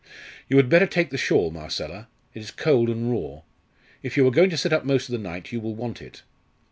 "You had better take the shawl, Marcella: it is cold and raw. If you are going to sit up most of the night you will want it."